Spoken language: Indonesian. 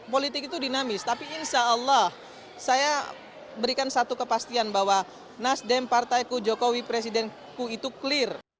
politik itu dinamis tapi insya allah saya berikan satu kepastian bahwa nasdem partaiku jokowi presiden ku itu clear